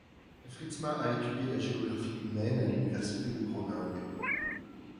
Fritsma a étudié la géographie humaine à l'université de Groningue.